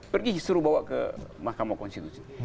pergi disuruh bawa ke mahkamah konstitusi